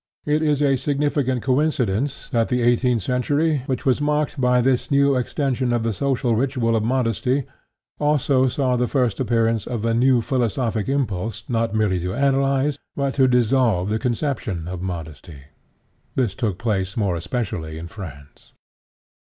It is a significant coincidence that the eighteenth century, which was marked by this new extension of the social ritual of modesty, also saw the first appearance of a new philosophic impulse not merely to analyze, but to dissolve the conception of modesty. This took place more especially in France.